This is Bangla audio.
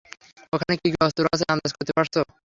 ওখানে কী কী অস্ত্র আছে আন্দাজ করতে পারছো?